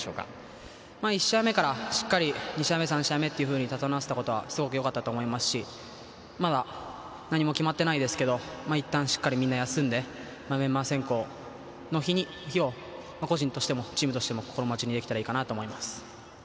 １試合目から２試合目、３試合目と整わせたことはよかったと思いますし、まだ何も決まってないですけど、いったんしっかり休んで、メンバー選考の日を個人としてもチームとしても、心待ちにできたらいいかなと思います。